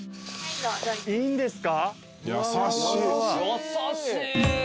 いいんですか？